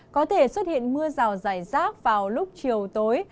có thể xuất hiện mưa rào dài rác vào lúc chiều tối